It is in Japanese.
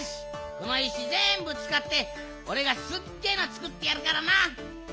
この石ぜんぶつかっておれがすっげえのつくってやるからな。